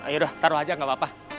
ayo taruh aja gak apa apa